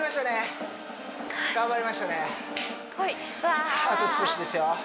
あと少しですよ